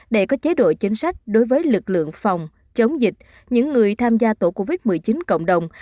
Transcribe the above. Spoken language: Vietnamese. để có chế độ chính sách đối với lực lượng phòng chống dịch những người tham gia tổ covid một mươi chín cộng đồng